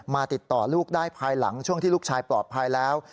ติดต่อลูกได้ภายหลังช่วงที่ลูกชายปลอดภัยแล้ว